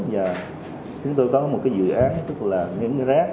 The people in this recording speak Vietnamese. và chúng tôi có một dự án tức là hướng rác